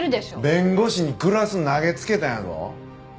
弁護士にグラス投げつけたんやぞ。